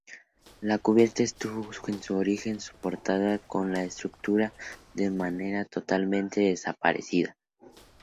La cubierta estuvo en su origen soportada por una estructura de madera, totalmente desaparecida.